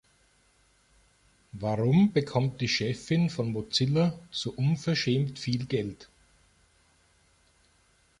Warum bekommt die Chefin von Mozilla so unverschämt viel Geld?